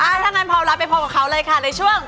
ถ้างั้นพร้อมรับไปพบกับเขาเลยค่ะในช่วง